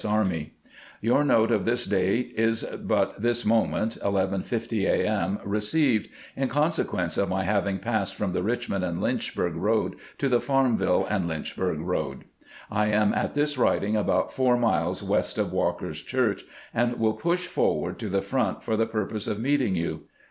Army : Your note of this date is but this moment (11 : 50 a. m.) re ceived, in consequence of my having passed from the Richmond and Lynchburg road to the Farmville and Lynchburg road. I am at this writing about four miles west of Walker's Church, and will push forward to the front for the purpose of meeting you.